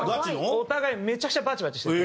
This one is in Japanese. お互いめちゃくちゃバチバチしてて。